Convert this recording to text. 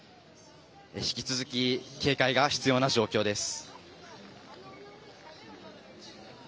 引き続き、警戒が必要な状況です。